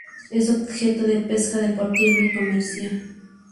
Es objeto de pesca deportiva y comercial.